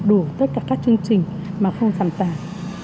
đủ tất cả các chương trình mà không giảm